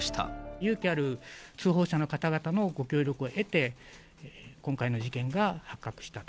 勇気ある通報者の方々のご協力を得て、今回の事件が発覚したと。